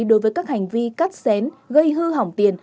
đối với các hành vi cắt xén gây hư hỏng tiền